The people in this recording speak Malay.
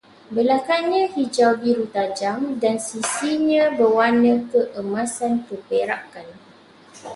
Belakangnya hijau-biru tajam, dan sisinya berwarna keemasan-keperakan